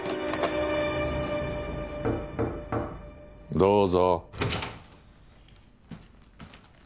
どうぞ。